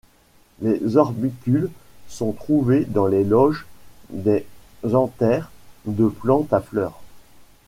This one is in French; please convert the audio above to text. Les orbicules sont trouvés dans les loges des anthères de plantes à fleurs.